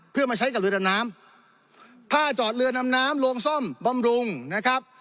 เพื่อมาใช้กับเรือดำน้ำถ้าจอดเรือนำน้ำลวงซ่อมบำรุงนะครับ